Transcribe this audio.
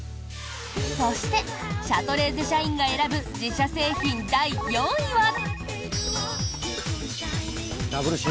そしてシャトレーゼ社員が選ぶ自社製品第４位は。